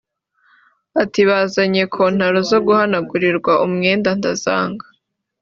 Ati “bazanye kontaro zo guhanagurirwaho umwenda ndazanga